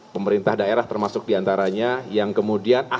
pemerintah daerah termasuk diantaranya yang kemudian akan